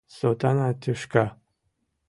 Сотана тӱшка!